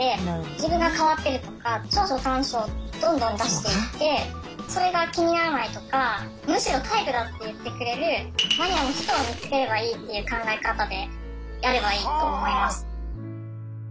自分が変わってるとか長所短所をどんどん出していってそれが気にならないとかむしろタイプだって言ってくれるマニアの人を見つければいいっていう考え方でやればいいと思います。